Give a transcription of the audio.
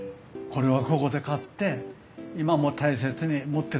これはここで買って今も大切に持ってるんです。